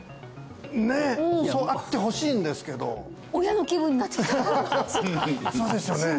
ねっそうあってほしいんですけど親の気分になってきちゃったそうですよね